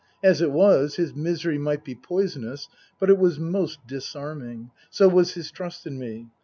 As it was, his misery might be poisonous, but it was most disarming. So was his trust in me.